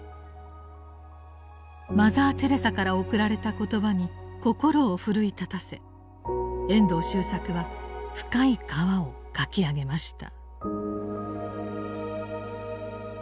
マザー・テレサから贈られた言葉に心を奮い立たせ遠藤周作は「深い河」を書き上げました。